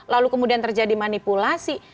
lalu kemudian terjadi manipulasi